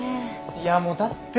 いやもうだって。